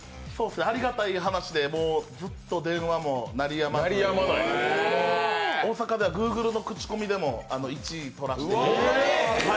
ありがたい話で、ずっと電話も鳴りやまず大阪ではグーグルの口コミでも１位取らせていただいて。